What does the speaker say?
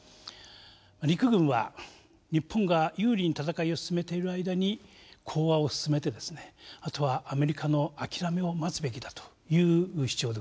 陸軍は日本が有利に戦いを進めている間に講話を進めてあとはアメリカの諦めを待つべきだという主張でございました。